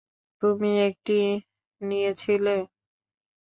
তুমি একটি নিয়েছিলে?